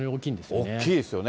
大きいですよね。